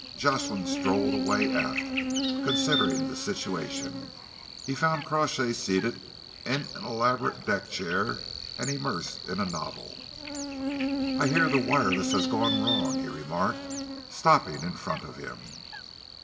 Jocelyn strolled away aft, considering the situation. He found Crawshay seated in an elaborate deck chair and immersed in a novel. "I hear the wireless has gone wrong," he remarked, stopping in front of him.